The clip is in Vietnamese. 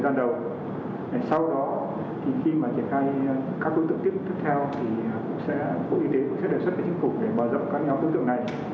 thì bộ y tế cũng sẽ đề xuất cho chính phủ để mở rộng các nhóm đối tượng này